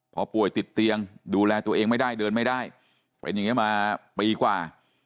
พอป่วยติดเตียงดูแลตัวเองไม่ได้เดินไม่ได้เป็นอย่างนี้มาปีกว่า